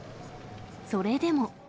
それでも。